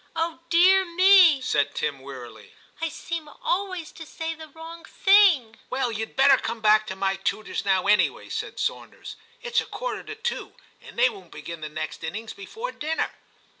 ' Oh dear me !* said Tim wearily, ' I seem always to say the wrong thing,' 'Well, you'd better come back to my tutor's now, anyway,' said Sawnders ;* it s a quarter to two, and they won't begin the next innings before dinner.'